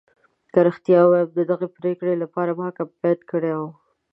که رښتیا ووایم ددغې پرېکړې لپاره ما کمپاین کړی و.